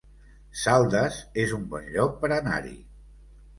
Saldes es un bon lloc per anar-hi